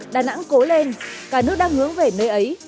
đà nẵng cố lên cả nước đang hướng về nơi ấy